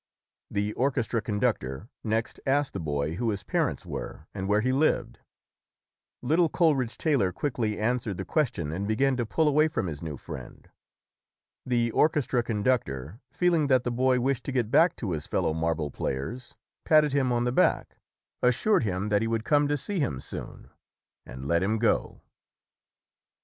The orchestra conductor next asked the boy who his parents were and where he lived. Little Coleridge Taylor quickly answered the question and began to pull away from his new friend. The orchestra conductor, feeling that the boy wished to get back to his fellow marble play ers, patted him on the back, assured him that he would come to see him soon and let him go.